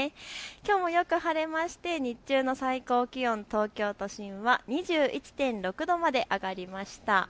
きょうもよく晴れまして日中の最高気温、東京都心は２１．６度まで上がりました。